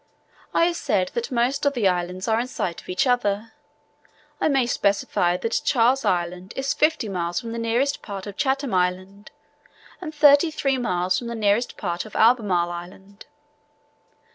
I have said that most of the islands are in sight of each other: I may specify that Charles Island is fifty miles from the nearest part of Chatham Island, and thirty three miles from the nearest part of Albemarle Island.